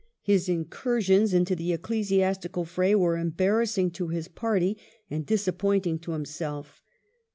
His incureions into the ecclesiastical fray were embarrassing to his party and disappointing to himself.